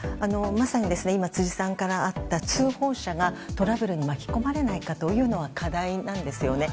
まさに今、辻さんからあった通報者がトラブルに巻き込まれないかというのは課題なんですよね。